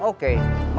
eh siapa karna